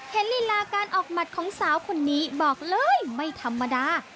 ลีลาการออกหมัดของสาวคนนี้บอกเลยไม่ธรรมดา